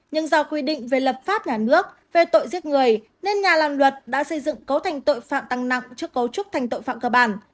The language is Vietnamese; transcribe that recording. nhưng do quy định về lập pháp nhà nước về tội giết người nên nhà làm luật đã xây dựng cấu thành tội phạm tăng nặng trước cấu trúc thành tội phạm cơ bản